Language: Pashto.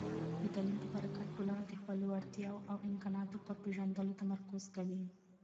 د تعلیم په برکت، ټولنه د خپلو وړتیاوو او امکاناتو پر پېژندلو تمرکز کوي.